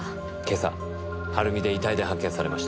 今朝晴海で遺体で発見されました。